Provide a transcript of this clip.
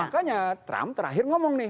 makanya trump terakhir ngomong nih